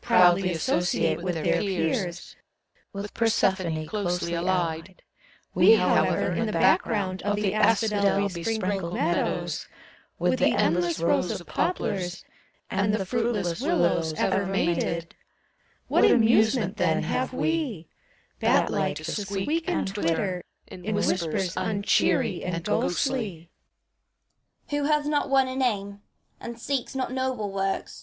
Proudly associate with their peers, With Persephone closely allied: We, however, in the background Of the asphodel besprinkled meadows, With the endless rows of poplars And the fruitless willows ever mated, — What amusement, then, have wet Bat like to squeak and twitter In whispers un cheery and ghostly! LEADER OP THE CHORUS. Who hath not won a name, and seeks not noble works.